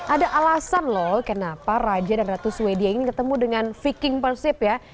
ada alasan loh kenapa raja dan ratu sweden ini ketemu dengan viking persib ya